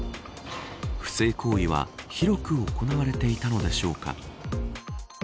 不正行為は広く行われていたのでしょうか。